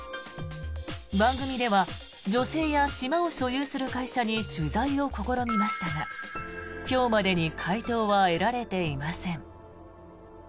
番組では女性や島を所有する会社に取材を試みましたが今日までに回答は得られていません。